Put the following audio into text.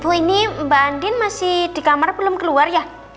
bu ini mbak andin masih di kamar belum keluar ya